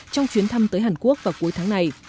trong chuyến thăm tới hàn quốc vào cuối tháng này